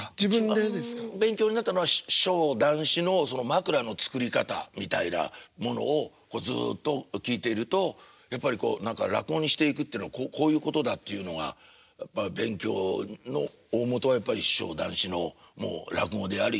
一番勉強になったのは師匠談志のまくらの作り方みたいなものをずっと聴いているとやっぱりこう何か落語にしていくっていうのはこういうことだっていうのが勉強の大本はやっぱり師匠談志の落語であり漫談でしょうね。